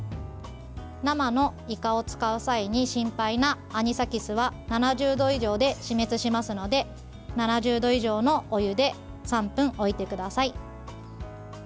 生のいかを使う際に心配なアニサキスは７０度以上で死滅しますので７０度以上のお湯で３分、置いてください。